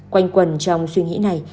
quanh quần trong suy nghĩ này